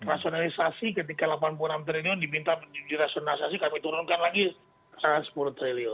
rasionalisasi ketika delapan puluh enam triliun diminta dirasionalisasi kami turunkan lagi sepuluh triliun